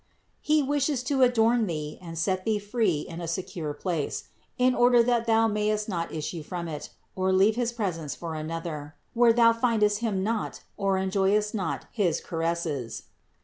He wishes to adorn thee and set thee in a secure place, in order that thou mayest not issue from it, or leave his presence for another, where thou findst Him not or en joyest not his caresses.